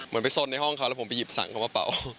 เหมือนไปสนในห้องเขาแล้วผมไปหยิบสั่งเข้ามาเป๋า